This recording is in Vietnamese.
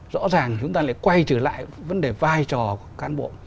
rõ ràng chúng ta lại quay trở lại vấn đề vai trò của cán bộ